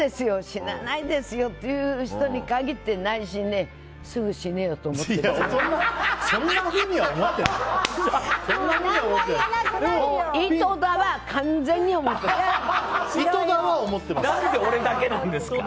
死なないですよって言う人に限って内心ね、すぐ死ねよと思ってるんですよ。